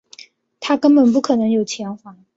他根本不可能有钱还